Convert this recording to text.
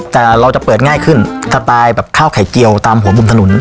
แต่เราจะเปิดง่ายขึ้นสตายค่าวไข่เจียวตามหัวมุมสนุน